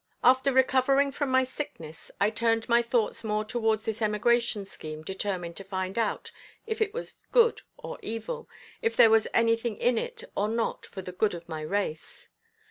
After recovering from my sickness, I turned my thoughts more towards this emigration scheme determined to find out if it was good or evil, if there was anything in it or not for the good of my race.